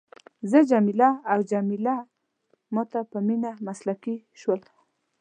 زه جميله او جميله ما ته په مینه مسکي شول.